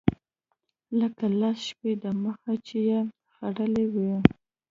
لکه لس شپې د مخه چې يې خرييلي وي.